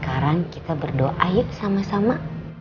sekarang kita berdoa yuk sama sama